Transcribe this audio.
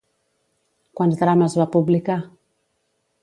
Quants drames va publicar?